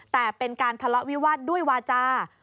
แต่เป็นการทะเลาะวิวาสด้วยวาจา